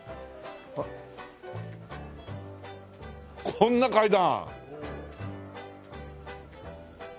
こんな階段！